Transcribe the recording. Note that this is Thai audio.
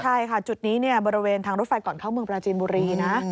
ใช่ค่ะจุดนี้บริเวณทางรถไฟก่อนเข้าเมืองปราจีนบุรีนะ